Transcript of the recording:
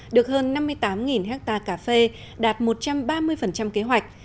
được hơn năm mươi tám hectare cà phê đạt một trăm ba mươi kế hoạch